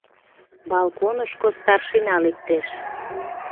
Балконышко старшина лектеш.